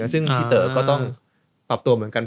ซึ่งพี่เต๋อก็ต้องปรับตัวเหมือนกัน